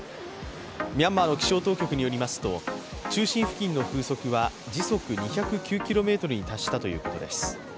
ミャンマーの気象当局によりますと、中心付近の風速は時速２０９キロメートルに達したということです。